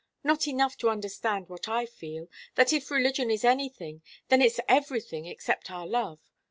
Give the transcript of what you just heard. "Not enough to understand what I feel that if religion is anything, then it's everything except our love.